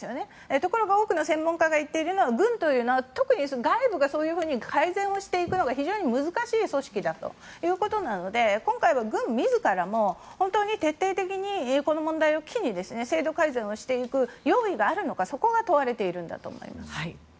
ところが多くの専門家が言っているのが軍というのは特に外部がそういうふうに改善していくのが非常に難しい組織だということなので今回は軍自らも徹底的にこの問題を機に制度改善をしていく用意があるのかそこが問われているんだと思います。